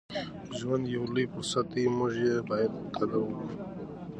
ژوند یو لوی فرصت دی او موږ یې باید قدر وکړو.